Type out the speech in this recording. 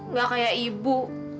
nggak kayak ibu